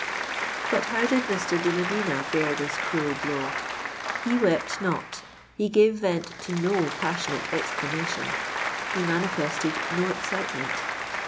But how did Mr. de Medina bear this cruel blow? He wept not—he gave vent to no passionate exclamation—he manifested no excitement.